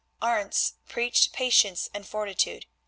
Arentz preached patience and fortitude.